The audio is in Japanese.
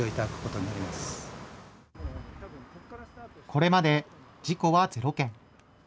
これまで事故は０件。